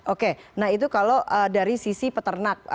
oke nah itu kalau dari sisi peternak